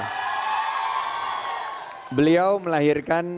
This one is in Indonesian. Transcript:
hai beliau melahirkan